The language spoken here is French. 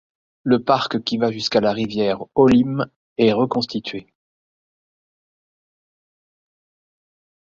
Le parc qui va jusqu'à la rivière Olym est reconstitué.